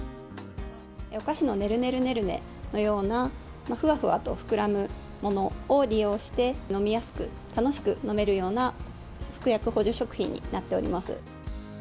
お菓子のねるねるねるねのような、ふわふわと膨らむものを利用して飲みやすく、楽しく飲めるような服薬補助食品になっております。